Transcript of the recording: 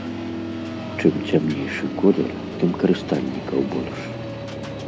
Чым цямнейшы колер, тым карыстальнікаў больш.